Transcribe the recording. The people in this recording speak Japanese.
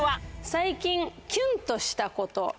最近キュンとしたこと。